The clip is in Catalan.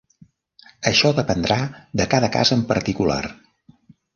Això dependrà de cada cas en particular.